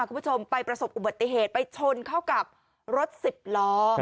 คุณผู้ชมไปประสบอุบัติเหตุไปชนเข้ากับรถสิบล้อ